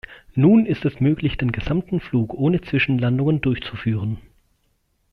Nun ist es möglich, den gesamten Flug ohne Zwischenlandungen durchzuführen.